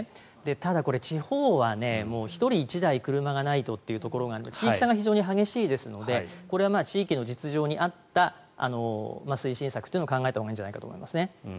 ただこれ、地方は１人１台車がないとということで地域差が非常に激しいですので地域の実情に合った推進策というのを考えたほうがいいんじゃないかと思います。